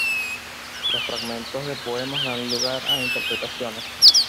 Los fragmentos de poemas dan lugar a interpretaciones.